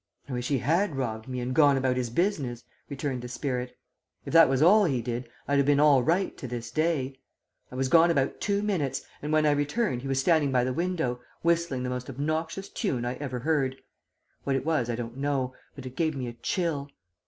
"I wish he had robbed me and gone about his business," returned the spirit. "If that was all he did, I'd have been all right to this day. I was gone about two minutes, and when I returned he was standing by the window, whistling the most obnoxious tune I ever heard. What it was I don't know, but it gave me a chill.